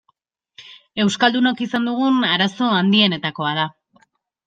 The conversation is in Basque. Euskaldunok izan dugun arazo handienetakoa da.